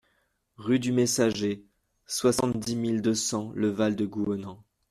Rue du Messager, soixante-dix mille deux cents Le Val-de-Gouhenans